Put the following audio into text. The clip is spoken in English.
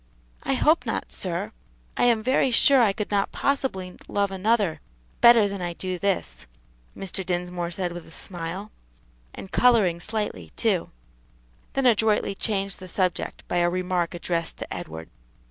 "I hope not, sir; I am very sure I could not possibly love another better than I do this," Mr. Dinsmore said with a smile, and coloring slightly, too; then adroitly changed the subject by a remark addressed to Edward.